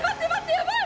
やばい！